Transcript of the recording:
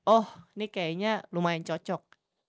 oh ini kayaknya lumayan cocok